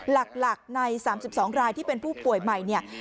หลักใน๓๒รายที่เป็นผู้ป่วยใหม่เนี่ย